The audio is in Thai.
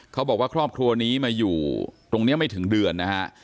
ครอบครัวนี้มาอยู่ตรงนี้ไม่ถึงเดือนนะฮะ